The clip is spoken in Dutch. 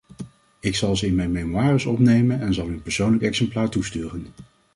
Ik zal ze in mijn memoires opnemen en zal u een persoonlijk exemplaar toesturen.